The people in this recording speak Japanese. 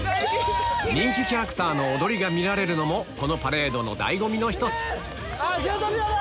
人気キャラクターの踊りが見られるのもこのパレードの醍醐味の１つ